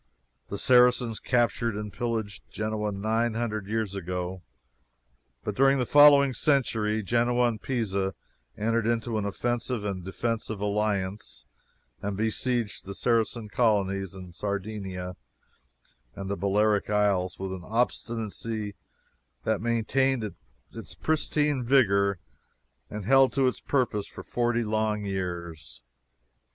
The Saracens captured and pillaged Genoa nine hundred years ago, but during the following century Genoa and Pisa entered into an offensive and defensive alliance and besieged the Saracen colonies in Sardinia and the Balearic Isles with an obstinacy that maintained its pristine vigor and held to its purpose for forty long years.